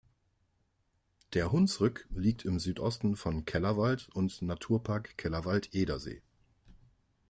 Der Hunsrück liegt im Südosten von Kellerwald und Naturpark Kellerwald-Edersee.